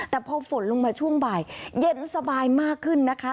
แต่พอฝนลงมาช่วงบ่ายเย็นสบายมากขึ้นนะคะ